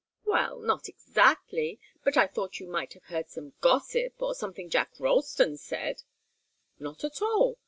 "Well not exactly. But I thought you might have heard some gossip or something Jack Ralston said " "Not at all.